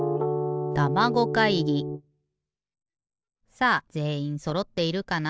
さあぜんいんそろっているかな？